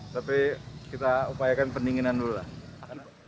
tapi kita upayakan pendinginan dulu lah